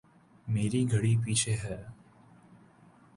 میری گھڑی پیچھے ہے